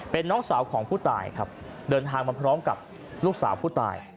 เป็นน้องสาวของผู้ตายครับเดินทางมาพร้อมกับลูกสาวผู้ตาย